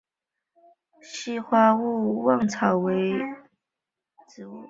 稀花勿忘草为紫草科勿忘草属的植物。